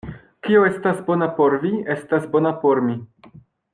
Kio estas bona por vi, estas bona por mi.